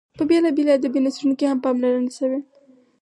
په بېلابېلو ادبي نثرونو کې هم پاملرنه شوې.